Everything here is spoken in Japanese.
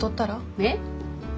えっ？